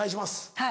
はい。